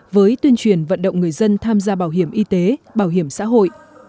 với tuyên truyền vận động người dân tham gia bảo hiểm y tế bảo hiểm xã hội